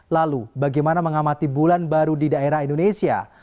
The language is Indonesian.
lalu bagaimana mengamati bulan baru di daerah indonesia